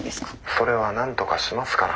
それはなんとかしますから。